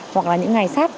hoặc là những ngày sát